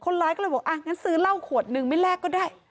งั้นซื้อเล่าขวดหนึ่งไม่แลกก็ได้